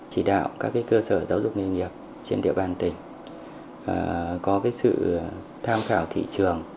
chỉ đạo các cơ sở giáo dục nghề nghiệp trên địa bàn tỉnh có sự tham khảo thị trường